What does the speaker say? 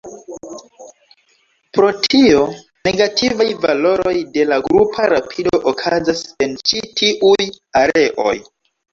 Pro tio, negativaj valoroj de la grupa rapido okazas en ĉi tiuj areoj.